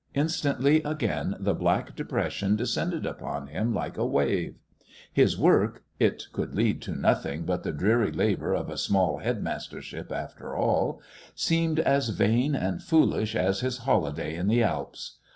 Instantly, again, the black depression descended upon him like a wave. His work it could lead to nothing but the dreary labour of a small headmastership after all seemed as vain and foolish as his holiday in the Alps.